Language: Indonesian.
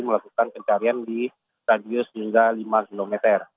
melakukan pencarian di radius hingga lima km